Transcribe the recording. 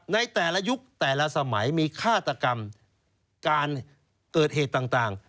ในแต่ละยุคแต่ละสมัยมีฆาตกรรมการเกิดเหตุต่าง